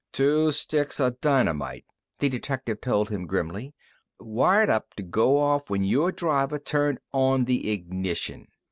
"Two sticks of dynamite," the detective told him grimly, "wired up to go off when your driver turned on the ignition.